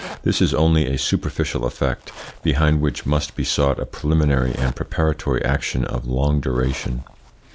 This is only a superficial effect, behind which must be sought a preliminary and preparatory action of long duration.